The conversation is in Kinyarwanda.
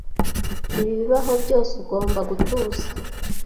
Ibibaho byose, ugomba gutuza.